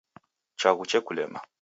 Chaghu chekulema.